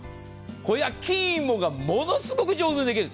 焼きいもがものすごく上手にできる。